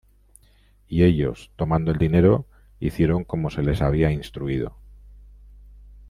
Y ellos, tomando el dinero, hicieron como se les había instruido.